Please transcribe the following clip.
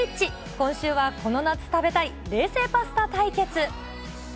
今週はこの夏食べたい、冷製パスタ対決。